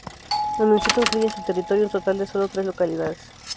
El municipio incluye en su territorio un total de solo tres localidades.